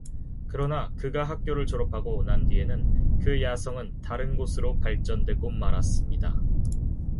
그러나 그가 학교를 졸업하고 난 뒤에는 그 야성은 다른 곳으로 발전되고 말았습니다.